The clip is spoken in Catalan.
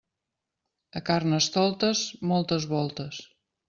A Carnestoltes, moltes voltes.